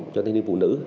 cho thanh niên phụ nữ